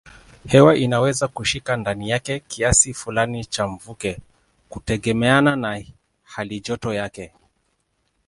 Hewa inaweza kushika ndani yake kiasi fulani cha mvuke kutegemeana na halijoto yake.